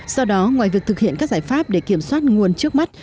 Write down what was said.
do đó ngoài việc thực hiện các giải pháp để kiểm soát nguồn trước mắt